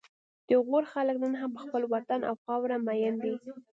د غور خلک نن هم په خپل وطن او خاوره مین دي